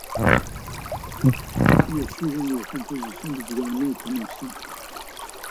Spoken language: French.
Le suivant, la composition du gouvernement est annoncée.